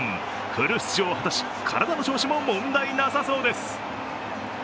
フル出場を果たし、体の調子も問題なさそうです。